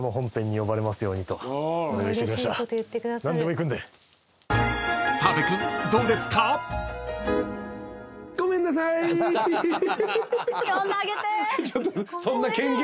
呼んであげて。